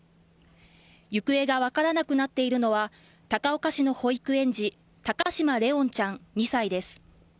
行方が分からなくなっているのは高岡市の保育園児高嶋怜音ちゃん、２歳です。